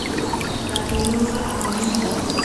saqey noqa apamusaq